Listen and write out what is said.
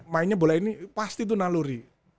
mainnya bola ini pasti itu naluri